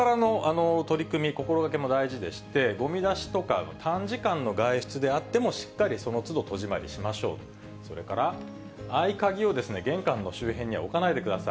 日頃からの取り組み、心がけも大事でして、ごみ出しとか短時間の外出であっても、しっかりそのつど戸締まりしましょうと、それから合鍵を玄関の周辺には置かないでください。